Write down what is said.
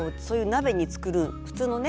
普通のね